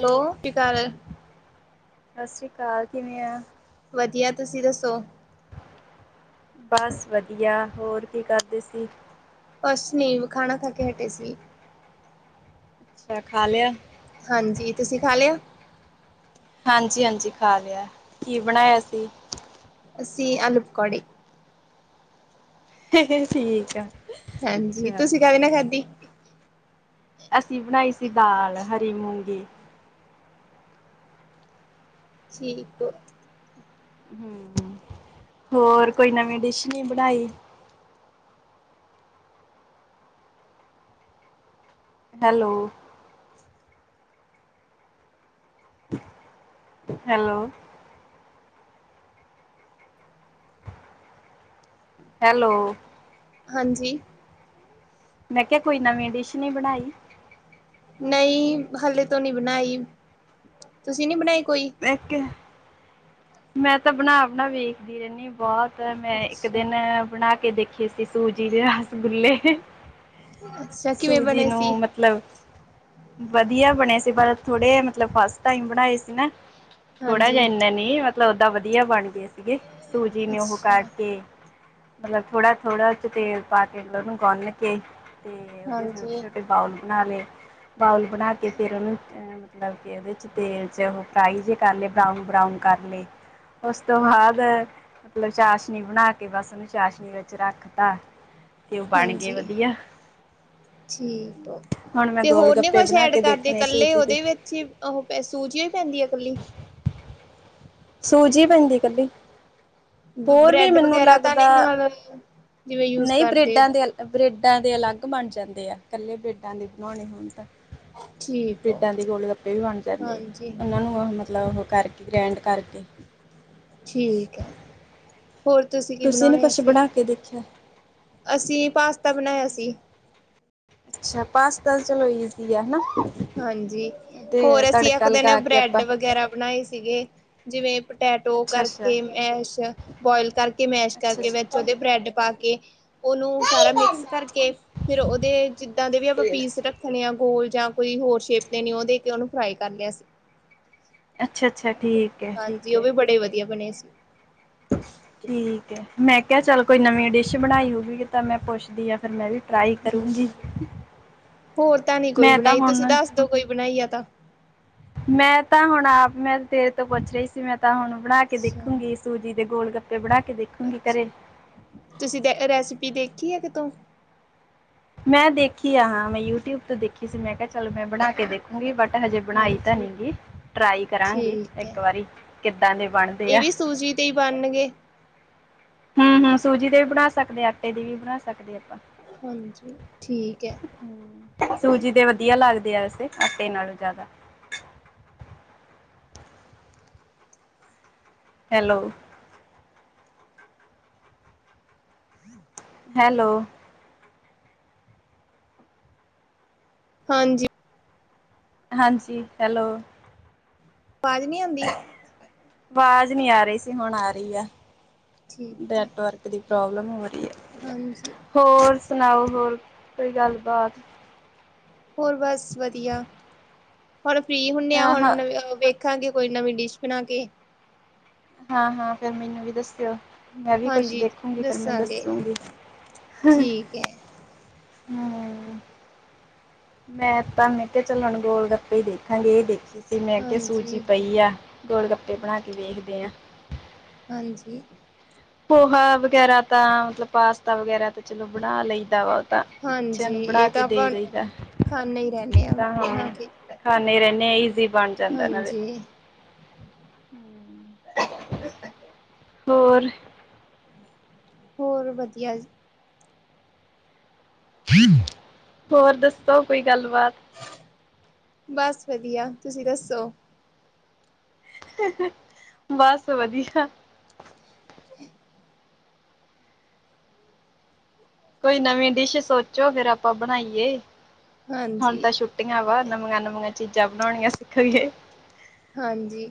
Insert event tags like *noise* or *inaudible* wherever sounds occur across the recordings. Hello ਕੀ ਕਰ ਰਹੇ। ਸਤਿ ਸ਼੍ਰੀ ਅਕਾਲ, ਕਿਵੇਂ ਆ। ਵਧੀਆ ਤੁਸੀਂ ਦੱਸੋ। ਬਸ ਵਧੀਆ ਹੋਰ ਕੀ ਕਰਦੇ ਸੀ। ਕੁਛ ਨਹੀਂ ਖਾਣਾ ਖਾ ਕੇ ਹਟੇ ਸੀ। ਅੱਛਾ ਖਾ ਲਿਆ। ਹਾਂਜੀ ਤੁਸੀਂ ਖਾ ਲਿਆ। ਹਾਂਜੀ, ਹਾਂਜੀ ਖਾ ਲਿਆ ਕੀ ਬਣਾਇਆ ਸੀ। ਅਸੀਂ ਆਲੂ ਪਕੌੜੇ। ਠੀਕ ਆ। ਹਾਂਜੀ ਅੱਛਾ ਤੁਸੀਂ ਕਾਦੇ ਨਾਲ ਖਾਧੀ। ਅਸੀਂ ਬਣਾਈ ਸੀ ਦਾਲ ਹਰੀ ਮੂੰਗੀ। ਠੀਕ ਆ। ਹੋਰ ਕੋਈ ਨਵੀਂ ਡਿਸ਼ ਨਹੀਂ ਬਣਾਈ। ਹੈਲੋ। ਹੈਲੋ। ਹੈਲੋ। ਹਾਂਜੀ। ਮੈਂ ਕਿਹਾ ਕੋਈ ਨਵੀਂ ਡਿਸ਼ ਨਹੀ ਬਣਾਈ। ਨਹੀਂ ਹਾਲੇ ਤੋਂ ਨੀ ਬਣਾਈ। ਤੁਸੀਂ ਨਹੀ ਬਣਾਈ ਕੋਈ। *unintelligible* ਮੈਂ ਤਾਂ ਬਣਾ-ਬਣਾ ਵੇਖਦੀ ਰਹਿੰਦੀ ਹਾ ਬਹੁਤ ਤੇ ਮੈਂ ਇੱਕ ਅੱਛਾ ਦਿਨ ਬਣਾ ਕੇ ਦੇਖੇ ਸੀ। ਸੂਜੀ ਦੇ ਰਸਗੁੱਲੇ ਅੱਛਾ ਕਿਵੇਂ ਸੂਜੀ ਬਣੇ ਨੂੰ ਸੀ ਮਤਲਬ ਵਧੀਆ ਬਣੇ ਸੀ ਪਰ ਥੋੜੇ ਮਤਲਬ ਫਸਟ ਟਾਇਮ ਬਣਾਏ ਸੀ ਨਾ। ਥੋੜਾ ਜਹਾ ਹਾਂਜੀ ਇੰਨਾ ਨੀ ਮਤਲਬ ਓਦਾਂ ਵਧੀਆ ਬਣ ਗਏ ਸੀਗੇ ਸੂਜੀ ਨੂੰ ਉਹ ਅੱਛਾ ਕਰਕੇ ਮਤਲਬ ਥੋੜਾ -ਥੋੜਾ ਉਹਦੇ ਵਿੱਚ ਤੇਲ ਪਾ ਕੇ ਉਹਨੂੰ ਗੁੰਨ ਕੇ ਤੇ ਓਦੇ ਤੇ ਉਹਦੇ ਹਾਂਜੀ ਛੋਟੇ ਛੋਟੇ। ਬਾਊਲ ਬਣਾ ਲਏ, ਬਾਊਲ ਬਣਾ ਕੇ ਫਿਰ ਉਹਨੂੰ ਮਤਲਬ ਕਿ ਉਹਦੇ 'ਚ ਤੇਲ 'ਚ ਉਹ। ਫਰਾਈ ਜੇ ਕਰ ਲਏ। ਬਰਾਊਨ- ਬਰਾਊਨ ਕਰ ਲਏ। ਉਸ ਤੋਂ ਬਾਅਦ ਮਤਲਬ ਚਾਸ਼ਨੀ ਬਣਾ ਕੇ ਬੱਸ ਉਹਨੂੰ ਚਾਸ਼ਨੀ ਵਿੱਚ ਰੱਖ ਤ। ਤੇ ਉਹ ਬਣ ਗਏ ਹਾਂਜੀ ਵਧੀਆ। ਠੀਕ ਹੁਣ ਮੈਂ ਤੇ ਗੋਲ ਗੱਪੇ ਬਣਾ ਕੇ ਦੇਖਣੇ ਸੂਜੀ ਦੇ। ਆਹ! ਸੂਜੀ ਹੀ ਪੈਂਦੀ ਹੈ ਇਕੱਲੀ। ਸੂਜੀ ਪੈਂਦੀ ਕੱਲੀ? ਹੋਰ ਵੀ ਬ੍ਰੈਡ ਮੈਨੂੰ ਵਗੈਰਾ ਤਾਂ ਲੱਗਦਾ ਨਹੀਂ ਨਾਲ ਜਿਵੇਂ ਯੂਜ ਨਹੀਂ ਕਰਦੇ ਬੇਡਾਂ ਦੇ। ਬ੍ਰੇਡਾਂ ਦੇ ਅਲੱਗ ਬਣ ਜਾਂਦੇ ਆ ਇਕੱਲੇ ਬ੍ਰੇਡਾਂ ਦੇ ਬਣਾਉਣੇ ਹੋਣ ਤਾਂ। ਠੀਕ ਹੋ ਬਰੈਡਾਂ ਦੇ ਗੋਲ ਗੱਪੇ ਵੀ ਬਣ ਜਾਂਦੇ ਆ ਹਾਂਜੀ ਉਹਨਾਂ ਨੂੰ ਉਹ ਮਤਲਬ ਉਹ ਕਰਕੇ। ਗ੍ਰੈਂਡ ਕਰਕੇ। ਠੀਕ ਹੈ। ਹੋਰ ਤੁਸੀਂ ਕੀ ਨੀ ਬਣਾਉਣੇ ਕੁਛ ਸੀ? ਬਣਾ ਕੇ ਦੇਖਿਆ। ਅਸੀਂ ਪਾਸਤਾ ਬਣਾਇਆ ਸੀ। ਅੱਛਾ, ਪਾਸਤਾ ਚਲੋ ਇਜ਼ੀ ਆ ਹਨਾ। ਹਾਂਜੀ, ਤੇ ਹੋਰ ਅਸੀਂ ਤੜਕਾ ਇੱਕ ਦਿਨ ਲਗਾ ਕੇ ਬ੍ਰੈਡ ਆਪਾਂ ਵਗੈਰਾ ਬਣਾਏ ਸੀਗੇ। ਜਿਵੇਂ ਪਟੈਟੋ ਅੱਛਾ ਅੱਛਾ ਕਰਕੇ ਮੈਸ਼। ਬੋਇਲ ਕਰਕੇ ਮੈਸ਼ ਅੱਛਾ ਕਰਕੇ ਵਿੱਚ ਅੱਛਾ ਉਹਦੇ ਬ੍ਰੈਡ ਪਾ ਕੇ। ਉਹਨੂੰ ਸਾਰਾ ਮਿਕਸ ਕਰਕੇ ਫਿਰ ਉਹਦੇ ਜਿੱਦਾਂ ਦੇ ਵੀ ਆਪਾਂ ਪੀਸ ਰੱਖ। ਰੱਖਣੇ ਆ ਗੋਲ ਜਾਂ ਕੋਈ ਹੋਰ ਸ਼ੇਪ ਦੇਣੀ ਉਹ ਦੇ ਕੇ ਉਹਨੂੰ ਫਰਾਈ ਕਰ ਲਿਆ ਸੀ। ਅੱਛਾ ਅੱਛਾ ਠੀਕ ਹੈ ਠੀਕ ਹਾਂਜੀ, ਉਹ ਹੈ ਵੀ ਬੜੇ ਵਧੀਆ ਬਣੇ ਸੀ। ਠੀਕ ਹੈ ਮੈਂ ਕਿਹਾ ਚੱਲ ਕੋਈ ਨਵੀਂ ਡਿਸ਼ ਬਣਾਈ ਹੋਊਗੀ ਤਾਂ ਮੈਂ ਪੁੱਛਦੀ ਹਾਂ। ਫਿਰ ਮੈਂ ਵੀ ਟਰਾਈ ਕਰੂੰਗੀ ਮੈਂ ਤਾਂ ਹੁਣ। ਤੋਂ ਕੋਈ ਬਣਾਈ ਆ ਤਾਂ। ਮੈਂ ਤਾਂ ਹੁਣ ਆਪ ਮੈਂ ਤੇਰੇ ਤੋਂ ਪੁੱਛ ਰਹੀ ਸੀ ਮੈਂ ਤਾਂ ਹੁਣ ਬਣਾ ਕੇ ਅੱਛਾ ਦੇਖੂਗੀ। ਸੂਜੀ ਦੇ ਗੋਲ ਗੱਪੇ ਬਣਾ ਕੇ ਦੇਖੂੰਗੀ ਘਰੇ। ਅੱਛਾ ਤੁਸੀਂ ਦੇ ਰੈਸਿਪੀ ਦੇਖੀ ਹੈ ਕਿਤੋਂ? ਮੈਂ ਦੇਖੀ ਆ, ਹਾਂ ਮੈਂ ਯੂਟਿਊਬ ਤੋਂ ਦੇਖੀ ਸੀ ਮੈਂ ਕਿਹਾ ਚਲੋ ਮੈਂ ਬਣਾ ਕੇ ਦੇਖੀ। ਉਹੀ ਬਟ ਹਜੇ ਬਣਾਈ ਤਾਂ ਹਾਂਜੀ ਨੀ ਗ ਟਰਾਈ ਕਰਾਂਗੇ ਠੀਕ ਹੈ ਇੱਕ ਵਾਰੀ। ਕਿੱਦਾਂ ਦੇ ਬਣਦੇ ਆ। ਟੀ ਬਣਨਗੇ। ਹਾ -ਹਾ ਸੂਜੀ ਦੇ ਵੀ ਬਣਾ ਸਕਦੇ ਹਾਂ। ਆਟੇ ਦੀ ਵੀ ਬਣਾ ਸਕਦੇ ਆਪਾਂ। ਹਾਂਜੀ ਠੀਕ ਹੈ। ਸੂਜੀ ਦੇ ਵਧੀਆ ਲੱਗਦੇ ਆ ਵੈਸੇ ਆਟੇ ਨਾਲੋਂ ਜ਼ਿਆਦਾ। ਹੈਲੋ ਹੈਲੋ ਹਾਂਜੀ ਹਾਂਜੀ ਹੈਲੋ। ਆਵਾਜ਼ ਨਹੀ ਆਉਂਦੀ? ਆਵਾਜ਼ ਨਹੀ ਆ ਰਹੀ ਸੀ। ਹੁਣ ਆ ਰਹੀ ਆ ਠੀਕ ਹੈ ਨੈਟਵਰਕ। ਦੀ ਪ੍ਰੋਬਲਮ ਹੋ ਰਹੀ ਹੈ। ਹਾਂਜੀ ਹੋਰ ਸੁਣਾਓ ਹੋਰ, ਹੋਰ ਕੋਈ ਗੱਲਬਾਤ? ਹੋਰ ਬਸ ਵਧੀਆ, ਹੁਣ ਫ੍ਰੀ ਹੁੰਦੇ ਆ ਹਾਂ ਹੁਣ ਹਾਂ ਨਵ ਵਖ। ਵੇਖਾਂਗੇ ਕੋਈ ਨਵੀਂ ਡਿਸ਼ ਬਣਾ ਕੇ। ਹਾਂ, ਹਾਂ ਫੇਰ ਮੈਨੂੰ ਵੀ ਦੱਸਿਓ। ਮੈਂ ਵੀ ਕੁਛ ਹਾਂਜੀ ਦੇਖੂੰਗੀ ਫਿਰ ਮੈਂ ਦੱਸਾਂਗੇ ਦੱਸੂਗੀ। ਠੀਕ ਹ। ਹਮ ਮੈਂ ਤਾਂ ਮੈਂ ਕਿਹਾ ਚਲੋ ਹੁਣ ਗੋਲ ਗੱਪੇ ਹੀ ਦੇਖਾਂਗੇ ਇਹ ਦੇਖੀ ਸੀ ਮੈਂ ਕਿਹਾ ਸੂਚੀ ਹਾਂਜੀ ਪਈ ਆ। ਗੋੜ ਗੱਪੇ ਬਣਾ ਕੇ ਦੇੇਖਦੇ ਹਾ। ਹਾਂਜੀ। ਪੋਹਾ ਵਗੈਰਾ ਤਾਂ ਮਤਲਬ ਪਾਸਤਾ ਵਗੈਰਾ ਤਾਂ ਚਲੋ ਬਣਾ ਲਈਦਾ ਵਾ। ਤਾਂ ਬੱਚਿਆਂ ਹਾਂਜੀ ਨੂੰ ਬਣਾ ਇਹ ਕੇ ਤਾਂ ਦੇ ਆਪਾਂ ਦਈਦਾ ਖਾਂਦੇ ਹੀ ਰਹਿੰਦੇ ਤਾਂ ਬਣਾ ਹਾਂ ਕੇ ਖਾਣੇ ਰਹਿਣੇ ਈਜ਼ੀ ਬਣ ਜਾਂਦਾ ਨਾਲੇ ਹਾਂਜੀ ਹੋਰ ਹੋਰ ਵਧੀਆ ਜੀ। ਹੋਰ ਦੱਸੋ ਕੋਈ ਗੱਲਬਾਤ। ਬਸ ਵਧੀਆ ਤੁਸੀਂ ਦੱਸੋ। ਬਸ ਵਧੀਆ। *unintelligible* ਕੋਈ ਨਵੀਂ ਡਿਸ਼ ਸੋਚੋ ਫੇਰ ਆਪਾਂ ਬਣਾਈਏ ਹੁਣ ਹਾਂਜੀ ਤਾਂ ਛੁੱਟੀ ਆਂ ਵਾ ਨਵੀਆਂ ਨਵੀਆਂ ਚੀਜ਼ਾਂ ਬਣਾਉਣੀਆਂ ਸਿੱਖ ਲਈਏ। ਹਾਂਜੀ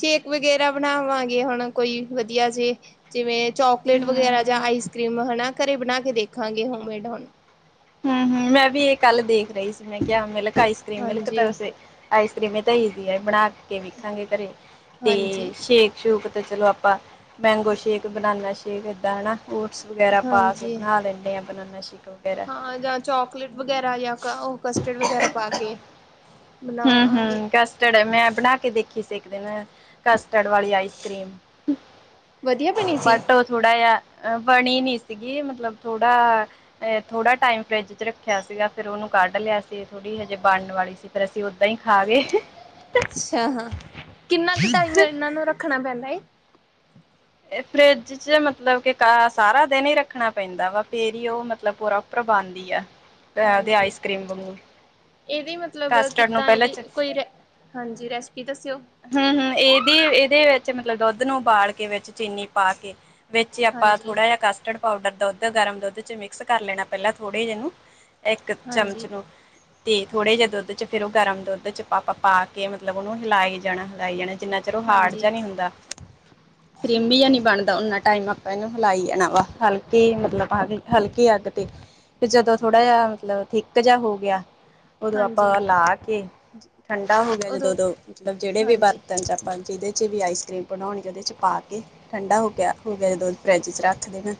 ਸ਼ੇਕ ਵਗੈਰਾ ਬਣਾਵਾਂਗੇ ਹੁਣ ਕੋਈ ਵਧੀਆ ਜੇ ਜਿਵੇਂ ਚੋਕਲੇਟ ਵਗੈਰਾ ਜਾਂ ਹੂੰ, ਆਈਸ ਕਰ੍ਰੀਮ ਹਨਾ ਘਰੇ ਬਣਾ ਕੇ ਦੇਖਾਂਗੇ ਹੋਮਮੇਡ ਹੁਣ। ਹੂੰ ਹੂੰ ਮੈਂ ਵੀ ਇਹ ਕੱਲ ਦੇਖ ਰਹੀ ਸੀ ਮੈਂ ਕਿਹਾ ਮਿਲਕ ਆਈਸ ਕਰ੍ਰੀਮ ਮਿਲਕ ਤਾਂ ਹਾਂਜੀ ਵੈਸੇ ਆਈਸ ਕਰ੍ਰੀਮ ਇਹ ਤਾਂ ਈਜ਼ੀ ਹੈ ਬਣਾ ਕੇ ਵੇਖਾਂਗੇ ਘਰੇ ਤੇ ਹਾਂਜੀ ਸ਼ੇਕ ਸ਼ੂਕ ਤੇ ਚਲੋ ਆਪਾਂ ਮੈਂਗੋ ਸ਼ੇਕ ਬਨਾਨਾ ਸ਼ੇਕ ਏਦਾਂ ਹਨਾ ਓਟਸ ਵਗੈਰਾ ਪਾ ਕੇ ਹਾਂਜੀ ਬਣਾ ਲੈਂਦੇ ਆ ਬਨਾਨਾ ਸ਼ੇਕ ਵਗੈਰਾ ਹਾਂ ਜਾਂ ਚੋਕਲੇਟ ਵਗੈਰਾ ਜਾਂ ਉਹ ਕਸਟਰਡ ਵਗੈਰਾ ਪਾ ਕੇ ਹੂੰ ਬਣਾਵਾਂਗੇ ਹੂੰ ਕਸਟਰਡ ਮੈਂ ਬਣਾ ਕੇ ਦੇਖੀ ਸੀ ਇੱਕ ਦਿਨ ਕਸਟਰਡ ਵਾਲੀ ਆਈਸ ਕਰ੍ਰੀਮ ਵਧੀਆ ਬਣੀ ਸੀ ਬਟ ਥੋੜਾ ਜਿਹਾ ਬਣੀ ਨੀ ਸੀਗੀ ਮਤਲਬ ਥੋੜਾ ਥੋੜਾ ਟਾਈਮ ਫਰਿਜ ਚ ਰੱਖਿਆ ਸੀਗਾ ਫਿਰ ਉਹਨੂੰ ਕੱਢ ਲਿਆ ਸੀ ਥੋੜੀ ਹਜੇ ਬਣਨ ਵਾਲੀ ਸੀ। ਫਿਰ ਅਸੀਂ ਓਦਾਂ ਹੀ ਖਾਗੇ। ਅੱਛਾ ਹਾਂ ਕਿੰਨਾ ਕੁ ਟਾਈਮ ਇਹਨਾਂ ਨੂੰ ਰੱਖਣਾ ਪੈਂਦਾ ਏ। ਇਹ ਫਰਿੱਜ ਚ ਮਤਲਬ ਕਿ ਸਾਰਾ ਦਿਨ ਹੀ ਰੱਖਣਾ ਪੈਂਦਾ ਵਾ ਫੇਰ ਹੀ ਉਹ ਮਤਲਬ ਪ੍ਰਰੋਪਰ ਬਣਦੀ ਆ। ਉਹਦੇ ਹਾਂਜੀ ਆਈਸ ਕਰ੍ਰੀਮ ਵਾਂਗੂ ਇਹਦੀ ਮਤਲਬ ਕਸਟਰਡ ਨੂੰ ਕਿੱਦਾਂ ਪਹਿਲਾਂ ਇਹਦੀ ਚ ਕੋਈ ਰੈਸਿਪੀ ਹਾਂਜੀ ਰੈਸਪੀ ਦੱਸਿਓ। ਹੂੰ ਹੂੰ ਇਹਦੀ ਇਹਦੇ ਵਿੱਚ ਮਤਲਬ ਦੁੱਧ ਨੂੰ ਉਬਾਲ ਕੇ ਵਿੱਚ ਚੀਨੀ ਪਾ ਕੇ ਵਿੱਚ ਆਪਾਂ ਹਾਂਜੀ ਥੋੜਾ ਜਿਹਾ ਕਸਟਡ ਪਾਊਡਰ ਦੁੱਧ ਗਰਮ ਦੁੱਧ ਚ ਮਿਕਸ ਕਰ ਲੈਣਾ ਪਹਿਲਾਂ ਥੋੜੇ ਜੇ ਨੂੰ ਇੱਕ ਚਮਚ ਹਾਂਜੀ ਨੂੰ ਤੇ ਥੋੜੇ ਜਿਹੇ ਦੁੱਧ ਚ ਫੇਰ ਉਹ ਗਰਮ ਦੁੱਧ ਚ ਪਾ ਪਾ ਕੇ ਮਤਲਬ ਉਹਨੂੰ ਹਿਲਾਏ ਜਾਣਾ ਹਿਲਾਈ ਜਾਣਾ। ਜਿੰਨਾ ਚਿਰ ਉਹ ਹਾਰਡ ਹਾਂਜੀ ਜਾ ਨੀ ਹੁੰਦਾ ਕ੍ਰੀਮੀ ਜਾ ਠੀਕ ਨੀ ਹੈ ਬਣਦਾ ਓਨਾ ਟਾਈਮ ਇਹਨੂੰ ਹਿਲਾਈ ਜਾਣਾ ਵਾ ਹਲਕੀ ਮਤਲਬ ਹਲਕੀ ਅੱਗ ਤੇ ਫੇਰ ਜਦੋਂ ਥੋੜਾ ਜਿਹਾ ਮਤਲਬ ਥਿਕ ਜਿਹਾ ਹੋ ਗਿਆ ਉਦੋਂ ਹਾਂਜੀ ਆਪਾਂ ਲਾ ਕੇ ਠੰਡਾ ਹੋ ਗਿਆ ਜਦੋਂ ਉਦੋਂ ਦੋ ਮਤਲਬ ਜਿਹੜੇ ਵੀ ਹਾਂਜੀ ਬਰਤਨ ਚ ਆਪਾਂ ਜਿਹਦੇ ਚ ਵੀ ਆਈਸ ਕ੍ਰੀਮ ਬਣਾਉਣੀ ਉਹਦੇ ਚ ਪਾ ਕੇ ਠੰਡਾ ਹੋ ਗਿਆ ਹੋ ਗਿਆ ਜਦ ਫਰਿੱਜ ਚ ਰੱਖ ਦੇਣਾ।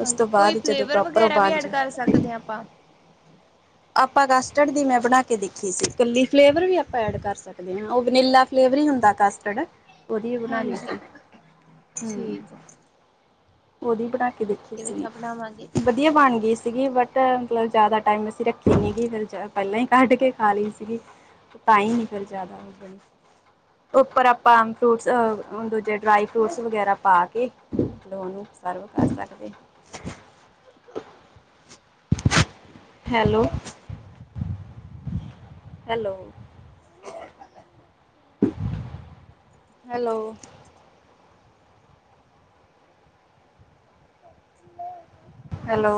ਉਸ ਤੋਂ ਹਾਂਜੀ ਕੋਈ ਬਾਅਦ ਜਦੋਂ ਫਲੇਵਰ ਪ੍ਰੋਪਰ ਉਹ ਵਗੈਰਾ ਵੀ ਬਣ ਐਡ ਕਰ ਸਕਦੇ ਹਾਂ ਆਪਾਂ ਆਪਾਂ ਕਸਟਡ ਦੀ ਮੈਂ ਬਣਾ ਕੇ ਦੇਖੀ ਸੀ ਇਕੱਲੀ ਫਲੇਵਰ ਵੀ ਆਪਾਂ ਐਡ ਕਰ ਸਕਦੇ। ਉਹ ਵਨੀਲਾ ਫਲੇਵਰ ਹੀ ਹੁੰਦਾ ਕਾਸਟਰਡ ਉਹਦੀ ਬਣਾਲੀ ਹਾਂਜੀ ਸੀ ਹੂੰ। ਠੀਕ ਉਹਦੀ ਬਣਾ ਕੇ ਦੇਖੀ ਕਿਵੇਂ ਸੀ ਕ ਬਣਾਵਾਂਗੇ ਵਧੀਆ ਬਣ ਗਈ ਸੀਗੀ ਬਟ ਮਤਲਬ ਜ਼ਿਆਦਾ ਟਾਈਮ ਅਸੀਂ ਰੱਖੀ ਨੀਗੀ ਫੇਰ ਪਹਿਲਾਂ ਹੀ ਕੱਢ ਕੇ ਖਾ ਲਈ ਸੀਗੀ। ਤਾਂ ਹੀ ਨਹੀਂ ਫਿਰ ਜ਼ਿਆਦਾ ਓ ਕਰੀ। ਉੱਪਰ ਆਪਾਂ ਫਰੂਟਸ ਦੂਜੇ ਡਰਾਈ ਫਰੂਟਸ ਵਗੈਰਾ ਪਾ ਕੇ ਲੋਨ ਸਰਵ ਕਰ ਸਕਦੇ ਹਾਂ। Hello, hello. Hello hello